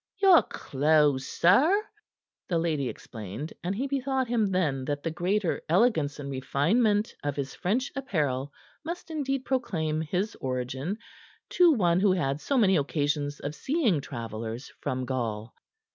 "Your clothes, sir," the landlady explained, and he bethought him, then, that the greater elegance and refinement of his French apparel must indeed proclaim his origin to one who had so many occasions of seeing travelers from Gaul.